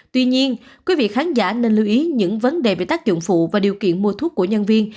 tuy nhiên quý vị khán giả nên lưu ý những vấn đề về tác dụng phụ và điều kiện mua thuốc của nhân viên